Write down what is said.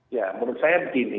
ya menurut saya begini